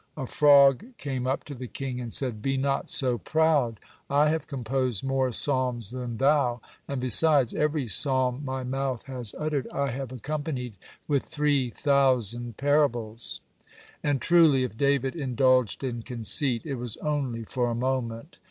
A frog came up to the king, and said: "Be not so proud; I have composed more psalms than thou, and, besides, every psalm my mouth has uttered I have accompanied with three thousand parables." (84) And, truly, if David indulged in conceit, it was only for a moment.